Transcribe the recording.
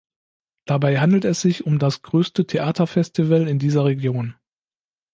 Dabei handelt es sich um das größte Theaterfestival in dieser Region.